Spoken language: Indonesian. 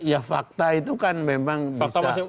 ya fakta itu kan memang bisa